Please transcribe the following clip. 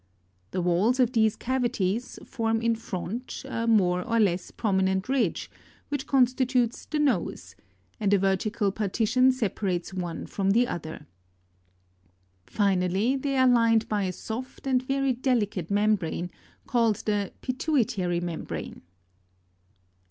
The walls of these cavities, form in front, a more or less prominent ridge, which con stitutes the nose, and a verticle par tition separates one from the other. Finally, they are lined by a soft and very delicate membrane, called the pituitary membrane.